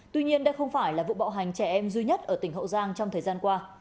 tuy nhiên đây không phải là vụ bạo hành trẻ em duy nhất ở tỉnh hậu giang trong thời gian qua